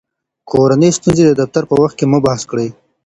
کورني ستونزې د دفتر په وخت کې مه بحث کړئ.